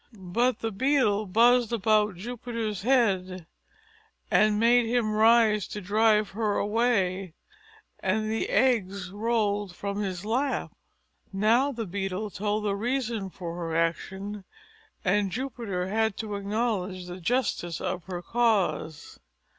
But the Beetle buzzed about Jupiter's head, and made him rise to drive her away; and the eggs rolled from his lap. Now the Beetle told the reason for her action, and Jupiter had to acknowledge the justice of her cause.